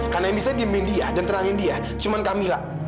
karena yang bisa pimpin dia dan tenangin dia cuma kamila